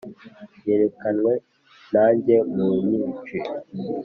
iyerekanwe na njye nunyinshi